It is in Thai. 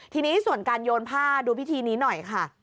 ทีนี้ส่วนการโยนผ้าดูพิธีนี้หน่อยค่ะ